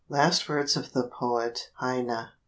LAST WORDS OF THE POET HEINE.